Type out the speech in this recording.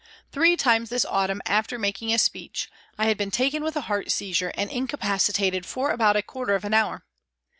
Three times this autumn, after making a speech, I had been taken with heart seizure and incapaci tated for about a quarter of an hour.